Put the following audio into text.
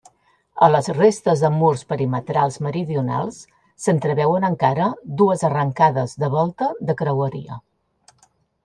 A les restes de murs perimetrals meridionals s'entreveuen encara dues arrencades de volta de creueria.